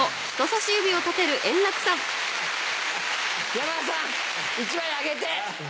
山田さん１枚あげて。